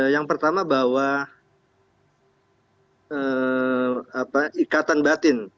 yang pertama bahwa ikatan batin